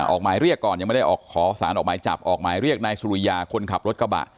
ออกหมายเรียกก่อนยังไม่ได้ออกขอสารออกหมายจับออกหมายเรียกนายสุริยาคนขับรถกระบะ